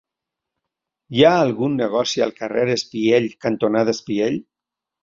Hi ha algun negoci al carrer Espiell cantonada Espiell?